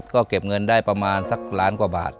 ก็เก็บเงินได้ประมาณสักล้านกว่าบาท